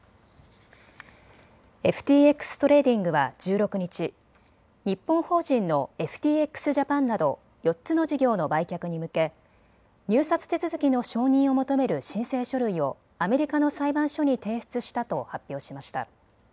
ＦＴＸトレーディングは１６日、日本法人のＦＴＸジャパンなど４つの事業の売却に向け入札手続きの承認を求める申請書類をアメリカの裁判所に提出したと発表しました。